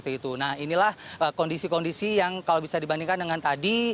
nah inilah kondisi kondisi yang kalau bisa dibandingkan dengan tadi